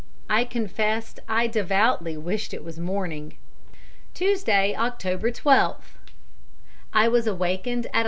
I confess I devoutly wished it was morning. "Tuesday, October 12th. I was awakened at 11.